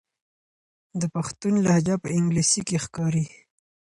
د پښتون لهجه په انګلیسي کې ښکاري.